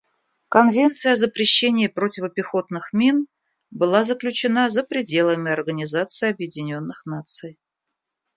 Конвенция о запрещении противопехотных мин была заключена за пределами Организации Объединенных Наций.